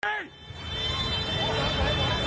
อ้าวโทษ